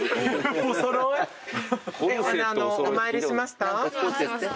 お揃い？お参りしました？